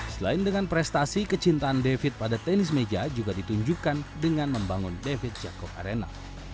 selain dengan prestasi kecintaan david pada tenis meja juga ditunjukkan dengan membangun david jacob arena